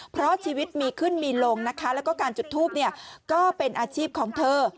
เพราะชีวิตมีขึ้นมีลงนะคะแล้วก็การจุดทูปเนี่ยก็เป็นอาชีพของเธอ